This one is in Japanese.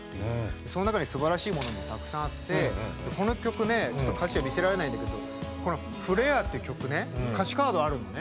その中にすばらしいものもたくさんあってこの曲ね、ちょっと歌詞は見せられないんだけど「フレア」っていう曲歌詞カードあるのね。